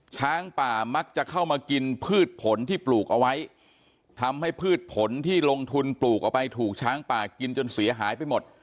ช้างป่ามักจะเข้ามากินพืชผลที่ปลูกเอาไว้ทำให้พืชผลที่ลงทุนปลูกออกไปถูกช้างป่ากินจนเสียหายไปหมด